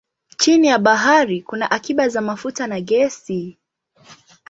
Chini ya bahari kuna akiba za mafuta na gesi.